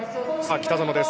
北園です。